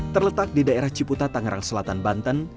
terletak di daerah ciputa tangerang selatan banten